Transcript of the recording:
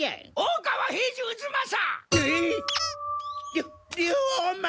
りゅ竜王丸。